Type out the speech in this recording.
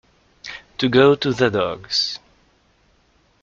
To go to the dogs.